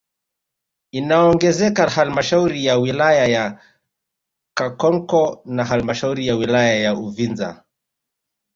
Inaongezeka halmashauri ya wilaya ya Kakonko na halmashauri ya wilaya ya Uvinza